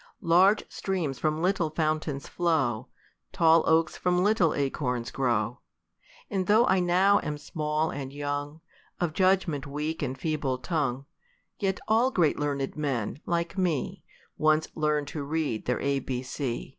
Larg^: 58 THE COLUMBIAN ORATOR. Large streams from little fountains flow ; Tall oaks from little acorns grow : And though I now am small and young, Of judgment weak, and feeble tongue ; Yet all great learned men, like me, Once learn'd to read their A, B, C.